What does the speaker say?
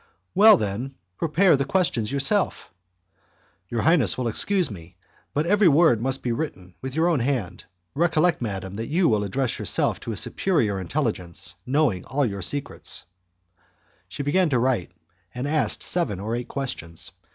"Well, then, prepare the questions yourself." "Your highness will excuse me, but every word must be written with your own hand. Recollect, madam, that you will address yourself to a superior intelligence knowing all your secrets" She began to write, and asked seven or eight questions.